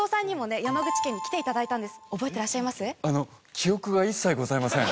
記憶が一切ございません。